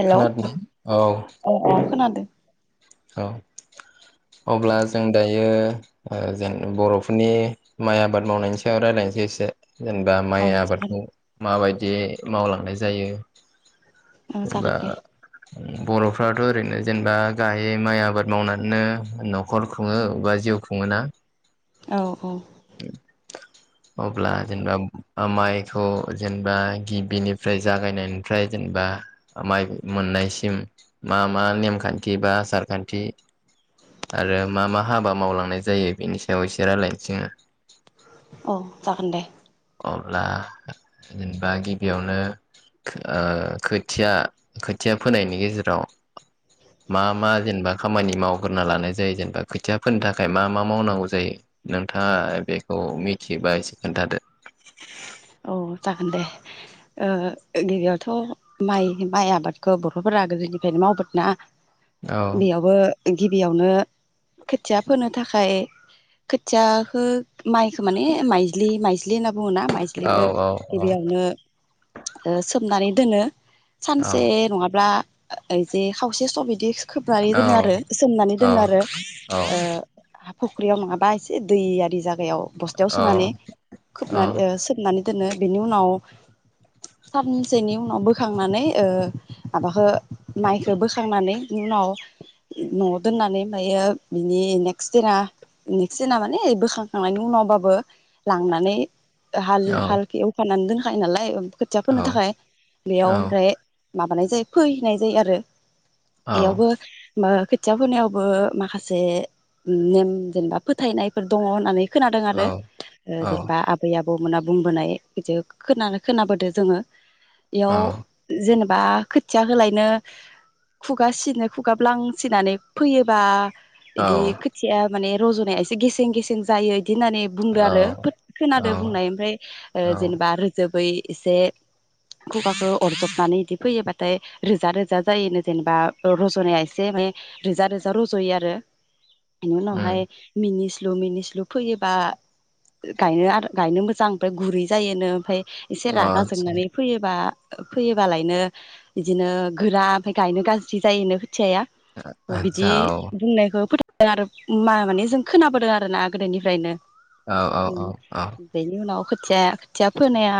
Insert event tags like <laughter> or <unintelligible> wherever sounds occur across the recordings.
हेल' औ खोनादोंना औ आ खोनादों औ अब्ला जों दायो ओ जेन बर'फोरनि माइ आबाद मावनायनि सायाव रायजलायसै एसे जेनेबा औ माइ जागोन आबादखौ माबायदि बिदि मावलांनाय जायो ओं जेनेबा सागोन दे बर'फ्राथ' ओरैनो जेनेबा गायै माइ आबाद मावनानैनो न'खर खुङो बा जिउ खुङोना औ औ अब्ला जेनेबा माइखौ जेनेबा गिबिनिफ्राय जागायनायनिफ्राय जेनेबा माइ मोननायसिम मा मा नेमखान्थि बा आसार खान्थि आरो मा मा हाबा मावलांनाय जायो बेनि सायाव एसे रायलायनोसोङो औ जागोन दे अब्ला जेनेबा गिबियावनो ओ खोथिया खोथिया फोनायनि गेजेराव मा मा जेनेबा खामानि मावग्रोना लानाय जायो जेनेबा खोथिया फोनो थाखाय मा मा मावनांगौ जायो नोंथाङा बेखौ मिथियोबा एसे खोन्थादो औ जागोन दे ओ गिबियावथ' माइ माइ आबादखौ बरथ'फोरा गोदोनिफ्रायनो मावबोदो ना औ बेयावबो गिबियावनो खोथिया फोनो थाखाय खोथियाखो माइखो माने माइज्लि माइज्लि होनना बुङोना माइज्लि औ ओ औ गिबियावनो सोमनानै दोनो औ सानसे नङाब्ला ओ जे खावसे सब इदि खोबनानै औ दोनो आरो सोमनानै औ दोनो आरो हा फख्रियाव नङाबा एसे दैयारि जायगायाव बस्थायाव औ सोनानै औ खोबनानै सोमनानै दोनो बिनि उनाव सानसेनि उनाव बोखांनानै ओ माबखौ माइखौ बोखांनानै बिनि उनाव न'आव दोननानै ओमायो बिनि नेक्स्ट दिना नेक्स्ट दिना माने बोखांखांनायनि उनावबाबो लांनानै हाल औ होफानानानै दोनखायो नालाय ओमफ्राय खोथिया फोनो थाखाय बेयाव ओमफ्राय माबानाय जायो फैनाय जायो आरो औ बेयावबो मो खोथिया होनायावबो माखासे नेम जेनेबा फोथायनायफोर दङ होननानै खोनादों आरो जेनेबा आबै आबौ बौ मोनाब बुंबोनाय बिदि खोनानो खोनाबोदो जोङो बेयाव औ जेनेबा बा खोथिया होलायनो खुगा सिनो खुगाब्लांसिनानै फैयोबा बिदि खोथिया माने रज'नाया एसे गेसें गेसें जायो बिदि होननानै बुंदो आरो औ खोनादों बुंनाय ओमफ्राय ओ औ जेनेबा रोजोब बै एसे खुगाखौ अरजबनानै इदि फैयोबाथाय रोजा रोजा जायोनो जेनेबा रज'नाया एसे माने रोजा रोजा रज'यो आरो बिनि उम उनावहाय अ मिनि स्लु मिनिस्लु फैयोबा गायनो आरो गायनो मोजां ओमफ्राय गुरै जायोनो ओमफ्राय एसे रागा आतसा जोंनानै फैयोबा फैयोबालायनो बिदिनो गोरा ओमफ्राय गायनो गाज्रि जायो खोथियाया बिदि आतसा औ बुंनायखौ फोथ आरो मा माने जों खोनाबोदों आर ना गोदोनिफ्रायनो औ औ औ औ बेनि उनाव खोथिया खोथिया फोनाया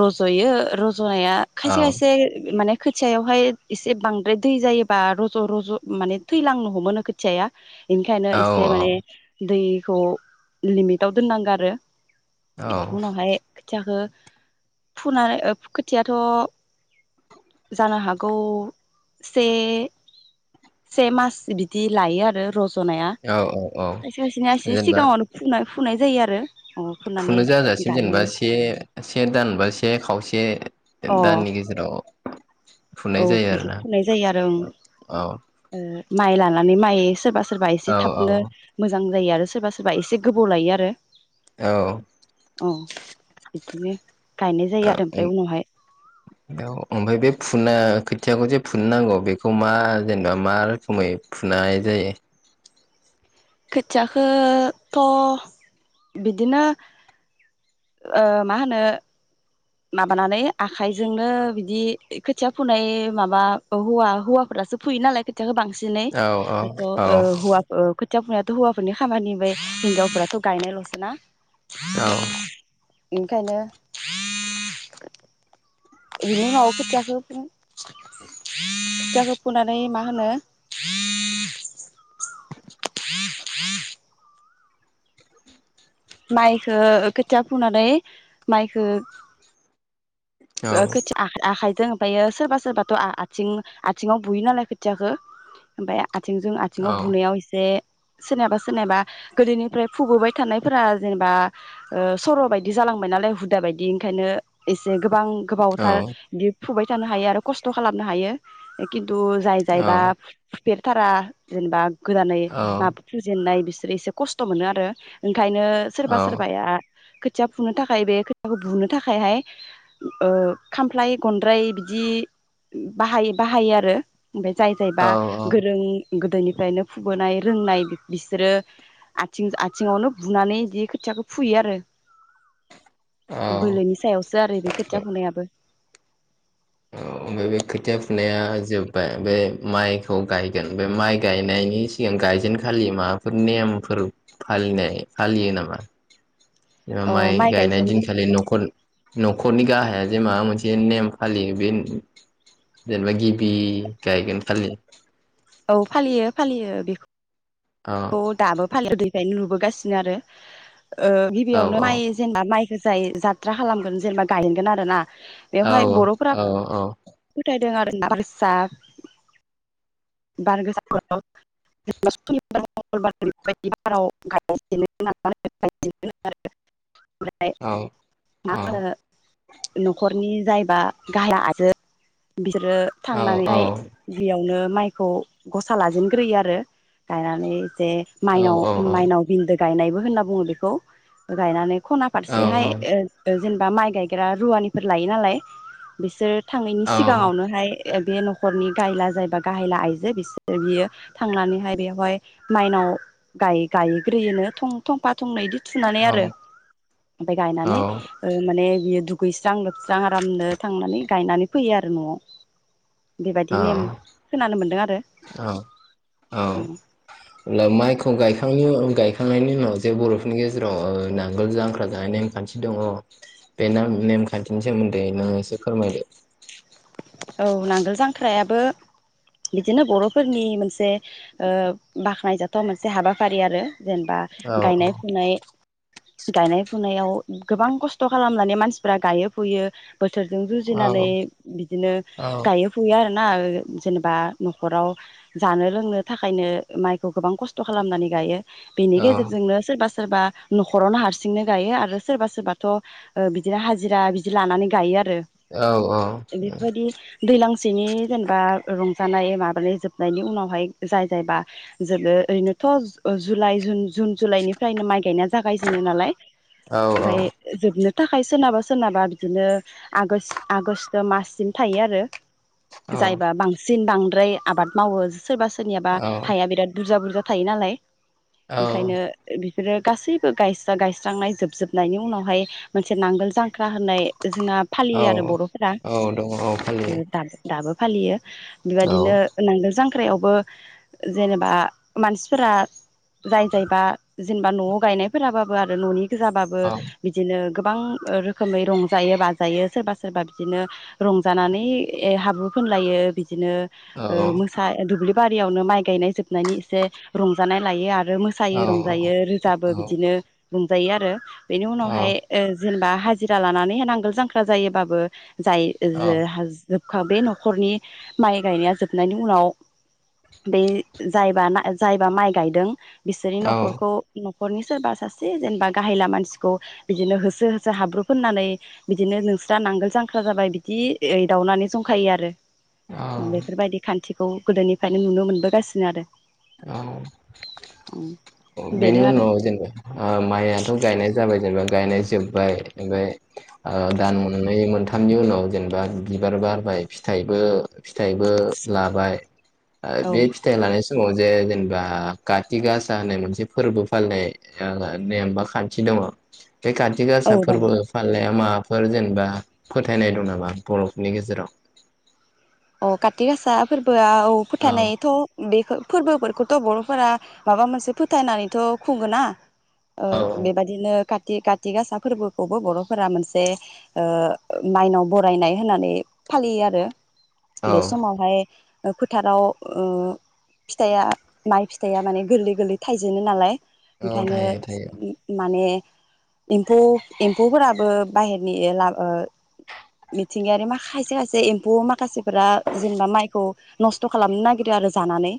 रज'यो जनाया औ खायसे खायसे माने खोथियावहाय एसे बांद्राय दै जायोबा रज' रज' माने थैलांनो हमो खोथियाया बेनिखायनो औ एसे माने दै खौ लिमिटाव दोननांगौ आरो बिनि औ उनावहाय खोथियाखौ फुनानै खोथियाथ' जानो हागौ से से मास बिदि लायो आरो रज' जनाया औ औ औ खायसे खायसेनिसे जेनेबा सिगाङावनो फुनाय फुनाय जायो आरो उम फुनानै फुनो जाजासिम जेनेबा गायनो से से दानबा से खावसे अ दाननि गेजेराव <inaudible> फुनाय औ जायो बिदि आरोना फुनाय जायो आरो ओं औ ओ माइ लानानै माइ सोरबा सोरबा एसे औ थाबनो मोजां जायो आरो सोरबा सोरबा एसे गोबाव लायो आरो। औ औ बिदिनो गायनाय जायो आरो ओ ओमफ्राय उम उनावहाय ओमफ्राय बे फुना खोथियाखौ जे फुननो नांगौ बेखौ मा जेनेबा मा रोखोमै फुनाय जायो? खोथियाखौथ' बिदिनो ओ मा होनो। माबानानै आखायजोंनो बिदि खोथिया फुनाय माबा हौवा हौवाफोरासो फुययो नालाय खोथियाखौ बांसिन सिनै औ थ' औ ओ हौवा खोथिया फुनायाथ' हौवाफोरनि खामानि ब <inaudible> हिनजावफोरथ' गायनायल'सो ना औ ओनिखायनो बिनि उनाव खोथियाखौ फुनो खोथियाखौ फुनानै मा होनो? माइखौ ओ खोथिया फुनानै माइखौ औ खोथिया ओ ओ आ-आखाइ जों ओमफ्रायो सोरबा सोरबाथ' आ-आथिं आथिङाव बुयो नालाय खोथियाखौ ओमफफ्राय आथिंजों आथिङाव औ बुनायाव एसे सोरनिबा सोरनिबा गोदोनिफ्राय फुबबाय थानायफोरा जेनेबा ओ सर' बायदि जालांबाय नालाय हुदा बायदि ओंखायनो एसे गोबां औ गोबावथार बि फुबाय थानो हायो आरो खस्थ' खालामनो हायो खिन खिनथु जाय जायबा फुफेरथारा जेनेबा गोदानै औ माबा फुजेननाय बिसो बि एसे खस्थ' मोनो आरो ओंखायनो सोरबा औ सोरबाया खोथिया फुनो थाखाय बे खोथियाखौ बुनो थाखायहाय ओ खामफ्लाय गनद्राय बिदि बाहाय बाहायो आरो। ओमफ्राय जाय जायबा औ औ गोरों गोदोनिफ्रायनो फुबोनाय रोंनाय बिसोरो आथिं आथिङावनो बुनानै बिदि खोथियाखौ फुयो आरो। औ बोलोनि सायावसो आरो बे खोथिया फुनायाबो औ ओमफ्राय बे खोथिया फुनाया जोब्बाय बे माइखौ गायगोन बे माइ गायनायनि सिगां गायजेनखालि माबाफोर नेमफोर फालिनाय फालियो नामा जेनेबा अ माइ गायनाय गायजेन दिनखालि न'खर न'खरनि गाहाया जे माबा मोनसे नेम फालियो बे जेनेबा गिबि गायगोन खालि औ फालियो फालियो बेखौ औ अ दाबो फालि <unintelligible> बोदों बेखायनो नुबोगासिनो आरो ओ औ गिबियावनो औ माइ जेनेबा माइ गोजायै जात्रा खालामगोन जेनेबा गायनगोन आरो ना बेवहाय बर'फोरा औ औ फोथाय <unintelligible> <unintelligible> <unintelligible> औ औ न'खरनि जायबा गाहाय आइजो <unintelligible> बिसोरो औ औ थांनानैहाय बियावनो माइ खौ गसा लाजेनग्रोयो आरो गायनानै जे औ माइनाव औ माइनाव बिनदों गायनायबो होनना बुङो बेखौ गायनानै खना औ फारसेहाय ओ जेनेबा माइ गायग्रा रुवानिफोर लायो नालाय बिसोर थांनायनि सिगाङावनो हाय एक बे न'खरनि गाइला जायबा गाहाय गाहेला आइजो बिसोर बियो थांनानैहाय बेवहाय माइनाव गाय गायहैग्रोयोनो थं थंफा थंनै इदि थुनानै आरो ओमफाय गायनानै माने बियो दुब दुगैस्रा लोबस्रां आरामनो थांनानै गायनानै फैयो आरो न'आव बेबायदि नेम खोनानो मोन्दों आरो औ औ अब्ला माइखौ गायखांनायनि उन गायखांनायनि उनाव जे बर'फोरनि गेजेराव ओ नांगोल जांख्रा जानाय नेमखान्थि दङ बे नेम नेमखान्थिनि सोमोन्दै नोङो एसे फोरमायदो औ नांगोल जांख्रायाबो बिदिनो बर'फोरनि मोनसे ओ बाखनायजाथाव मोनसे हाबाफारि आरो जेनेबा औ गायनाय फुनाय गायनाय फुनायाव गोबां खस्थ' खालामनानै मानसिफ्रा गायो फुयो बोथोरजों जुजिनानै औ बिद ओ औ गायो फुयो आरो ना जेनेबा न'खराव जानो लोंनो थाखायनो माइखौ गोबां खस्थ' खालामनानै गायो बेनि औ गेजेरजोंनो सोरबा सोरबा न'खरावनो हारसिंनो गायो आरो सोरबा सोरबाथ' ओ बिदिनो हाजिरा बिदि लानानै गायो आरो। औ औ इफोरबायदि दै दैलांसेनि जेनेबा रंजानाय माबानाय जोबनायनि उनावहाय जाय जायबा जोबो ओरैनोथ' जुलाइ जुन जुलाइनिफ्रायनो माइ गायनाय जोब जागायजेनो नालाय औ ओमफाय जोबनो थाखाय सोरनाबा सोरनाबा बिदिनो आगोस आगोस ओ माससिम थायो आरो जायबा बांसिन बांद्राय आबाद मावो सोरबा सोरनियाबा हाया बिराद बुरजा बुर बुरजा थायो नालाय औ ओंखायनो बेफ बिफोरो गासैबो गायस्रा गायस्रांनाय जोबजोबनायनि उनावहाय मोनसे नांगोल जांख्रा होननाय जोंना औ फालियो आरो बर'फोरा औ दङ औ फालियो दाबो फालियो औ बेबायदिनो नांगोल जां ख्रायावबो जेनेबा मानसिफोरा जाय जायबा जेनेबा न'आव गायनायफोराबाबो आरो न'नि गोजाबाबो औ बिदिनो गोबां रोखोमै रंजायो बाजायो सोरबा सोरबा बिदिनो रंजानानै हाब्रु फोनलायो बिदि बिदिनो औ ओ मोसा दुब्लि बारियावनो माइ गायनाय जोबनायनि एसे रंजानाय लायो आ आरो औ मोसायो रंजायो रोजाबो बिदिनो मोनजायो आरो बेनि उनावहाय ओ जेनेबा हाजिरा लानानै नांगोल जांख्रा जायोबाबो जाय ओ जोहाज जोबखा बे न'खरनि माइ गायनाया जोबनायनि उनाव बे जायबा जायबा माइ गायदों बिसोरनि औ न'खरखौ न'खरनि सोरबा सासे जेनेबा गाहायला मानसिखौ बिदिनो होसो होसो हाब्रु फोननानै बिदिनो नोंस्रा नांगोल जां ख्रा जाबाय बिदि एदाउनानै जंखायो आरो औ बेफोरबायदि खान्थि बेखौ गोदोनिफ्रायनो नुनो मोनबोगासिनो आरो। औ बेनि बेनो आरो उनाव जेनेबा माइयाथ गायनाय जाबाय जेनेबा गायनाय जोब्बाय ओमफ्राय दान मोननै मोनथामनि उनाव जेनेबा बिबार बारबाय फिथाइबो फिथाइबो लाबाय बे फिथाइ लानाय समाव जे जेनेबा कातिक आसा होननाय मोनसे फोरबो फालिनाय नेम बा खान्थि दङ। बे काति औ गासा दं फोरबो फालिनाया मा बाफोर जेनेबा फोथायनाय दं नामा बर'फोरनि गेजेराव? अ काति गासा फोर बोआव औ फोथानायथ बेखो फोरबोफोरखौथ बर'फोरा माबा मोनसे फोथायनानैथ खुङो ना। ओ औ बेबायदिनो का थि काति गासा फोरबोखौबो बर'फोरा मोनसे ओ माइनाव बरायनाय होननानै फालियो आरो। औ बे समावहाय फोथाराव ओ फिथाइया माइ फिथाइया माने गोरलै गोरलै थाइजेनो नालाय। औ ओंखायनो थायो थायो माने एमफौ एम्फौफोराबो बाहेरनि ओ ओ मिथिंगायारि मा खायसे खायसे एम्फौ माखासे फोरा जेनेबा माइखौ नस्थ खालामनो नागिरो आरो जानानै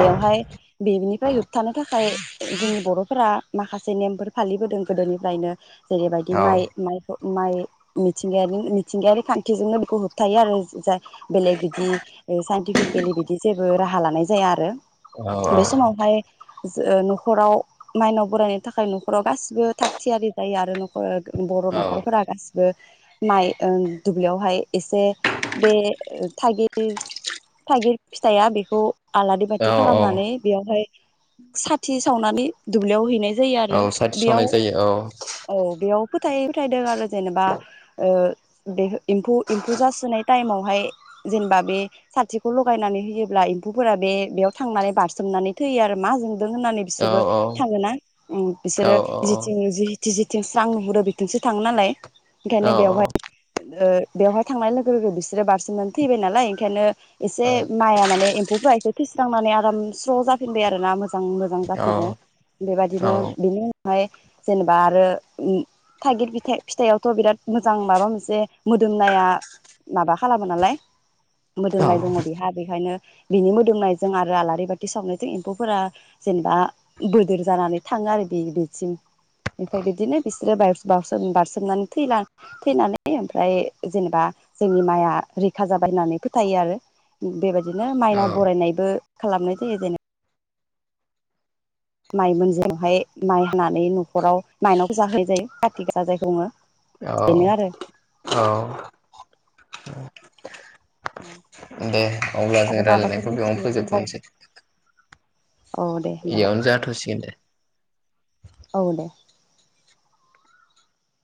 बेवहाय बेनिफ्राय होबथानो थाख थाखाय जोंनि बर'फोरा माखासे नेमफोर फालिबोदों गोदोनिफ्रायनो। जेरैबायदि औ माइ माइखौ माइ मिथिंगायारि मिथिंगायारि खान्थिजोंनो बेखौ होबथायो आरो। जे बेलेग बिदि साइन्टिफिकेलि बिदि जेबो राहा लानाय जाया आरो। औ औ ओ नखराव मायनाव बरायनो थाखाय नखराव गासिबो थाग थियारि जायो आरो नखर बर' नखरफोरा गासि बो ओ माइ दुब्लियावहाय इसे बे थागिर थागिर फिथाइया बेखौ आलारि औ बाथि औ खालामनानै बेयावहाय साथि सावनानै दुब्लियाव हैनाय जायो आरो औ साथि बेयाव सावनाय जायो औ औ बेयाव फोथायै फोथायदों आरो जेनेबा ओ बे एम्फौ एम्फौ जासोननाय टाइमावहाय जेनेबा बे साथिखौ लगायनानै होयोब्ला एम्फौफोरा बे बेयाव थांनानै बारस्रोमनानै थैयो आरो मा जों होननानै औ बिसोरबो थाङोना उम औ बिसोरो औ जेथिं जि दि जिथिं स्रां नुहरो बिथिंसो थाङो नालाय। औ ओंखायनो बेवहाय ओ बेवहाय थांनाय लोगो लोगो लोगो बिसोरो बारसिननानै थैबाय नालाय ओंखायनो एसे औ माया माने एम्फौफो फैसिनांनानै आराम स्ल' ज जाफिनबाय आरो ना मोन मोजां मोजां जाफिनो बेबायदिनो बिनि ओमफ्राय जेनेबा आरो थागिर फिथाइआवथ' बिराद मोजां माबा मोनसे मोदोमनाय माबा खालामो नालाय मोदोमनाय दङ बेहा बेखायनो बिनि मोदोमनायजों आरो आलारि बाथि सावनायजों एम्फौफोरा जेनेबा बोदोर जानानै थाङो आरो बेसिम ओमफ्राय बिदिनो बिसोरो बाय बावसोम बारसोमनानै थैना थैनानै ओमफ्राय जेनेबा जोंनि माइआ रैखा जाबाय होननानै फोथायो आरो बेबायदि बिदिनो औ माइनाव औ बरायनायबो खालामनाय जायो जेनेबा माइ मोनजावहाय माइ हानानै न'खराव माइनावखौ जाहोनाय जायो कारतिक जायखौ बुङो <unintelligible> औ बेनो आरो औ अ दे अब्ला जों आरो माबाफोर रायजलायनायखौ बेयावनो मिथिनो दंबावो फोजोबथ'नसै। औ दे होमबालाय इयावनो जाथ'सिगोन दे। औ दे